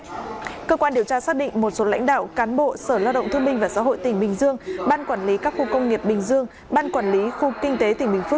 để được giải quyết hồ sơ các bị cáo sau đó đưa hối lộ cho một số lãnh đạo cán bộ thuộc sở lao động thương minh và xã hội tỉnh bình dương ban quản lý các khu công nghiệp bình dương ban quản lý khu kinh tế tỉnh bình phước